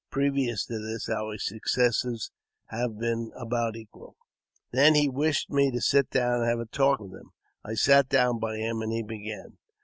Previous to this, our success had been about equal. Then he wished me to sit down and have a talk with him. I sat down by him, and he began.